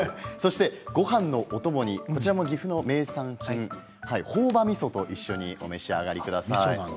ごはんのお供にこちらも岐阜の名産品ほお葉みそと一緒にお召し上がりください。